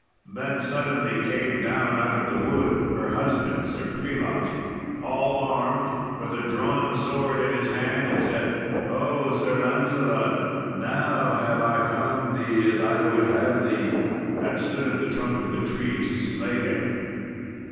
Then suddenly came down, out of the wood, her husband, Sir Phelot, all armed, with a drawn sword in his hand, and said, "Oh, Sir Lancelot! now have I found thee as I would have thee!" and stood at the trunk of the tree to slay him.